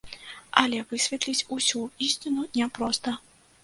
Але высветліць усю ісціну няпроста.